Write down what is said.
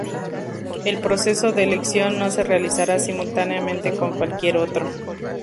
El proceso de elección no se realizará simultáneamente con cualquier otro.